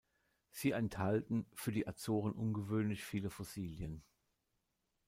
Sie enthalten, für die Azoren ungewöhnlich, viele Fossilien.